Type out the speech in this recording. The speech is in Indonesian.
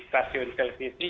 bagi stasiun televisi